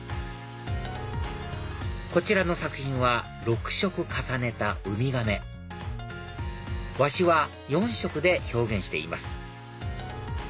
こちらの作品は６色重ねた『ウミガメ』『ワシ』は４色で表現しています